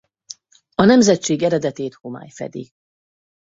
A nemzetség eredetét homály fedi.